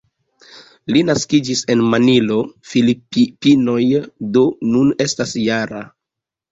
Li naskiĝis en Manilo, Filipinoj, do nun estas -jara.